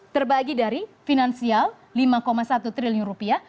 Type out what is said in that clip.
terbagi dari finansial lima satu triliun rupiah